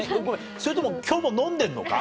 それとも今日も飲んでんのか？